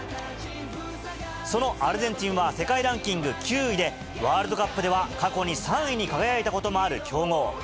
そのアルゼンチンは、世界ランキング９位で、ワールドカップでは過去に３位に輝いたこともある強豪。